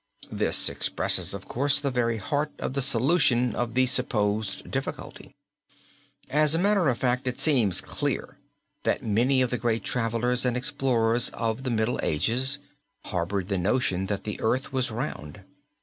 This expresses, of course, the very heart of the solution of the supposed difficulty. As a matter of fact it seems clear that many of the great travelers and explorers of the later Middle Ages harbored the notion that the earth was round.